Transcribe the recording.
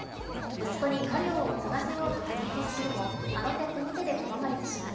息子に家業を継がせようと奮闘するもあの手この手で拒まれてしまう。